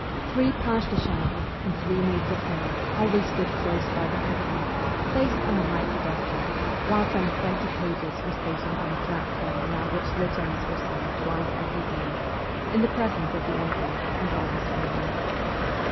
Three pages de chambre and three maids of honour always stood close 128 MEMOIRS OF A REVOLUTIONIST by the coffin, placed on a high pedestal, while some twenty pages were stationed on the platform upon which litanies were sung twice every day, in the presence of the emperor and all his family.